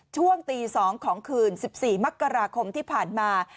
ช่วงตี๒ของคืน๑๔มกราคมที่ผ่านมา